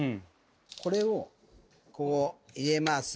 これをここ入れます。